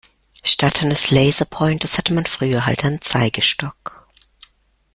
Statt eines Laserpointers hatte man früher halt einen Zeigestock.